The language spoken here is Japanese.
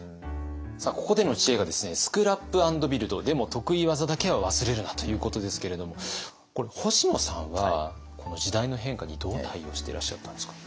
ここでの知恵が「スクラップ＆ビルドでも得意技だけは忘れるな！」ということですけれどもこれ星野さんはこの時代の変化にどう対応していらっしゃったんですか？